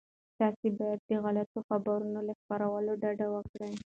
تاسي باید د غلطو خبرونو له خپرولو ډډه وکړئ.